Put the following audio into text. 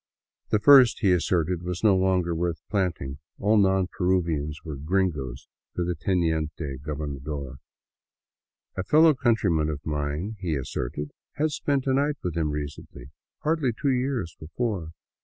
The first, he asserted, was no longer worth planting. All non Peruvians were *' gringos " to the teniente gobernador. A fellow countryman of mine, he asserted, had spent a night with him recently — hardly two years before.